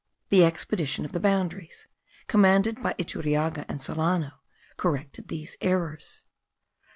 The expedition of the boundaries, commanded by Iturriaga and Solano, corrected these errors.